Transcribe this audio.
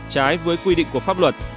trái với quy định của pháp luật